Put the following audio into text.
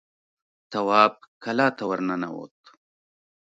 تواب کلا ته ور ننوت.